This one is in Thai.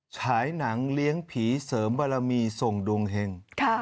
ฉายหนังเลี้ยงผีเสริมบารมีส่งดวงเห็ง